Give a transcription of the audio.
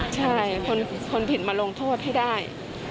ใช่คนผิดมาลงโทษให้ได้